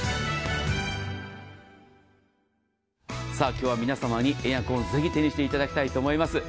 今日は皆様にエアコンをぜひ手にしていただきたいと思います。